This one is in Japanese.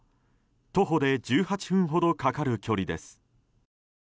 徒歩で１８分ほどかかる距離です。